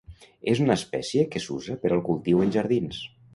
És una espècie que s'usa per al cultiu en jardins.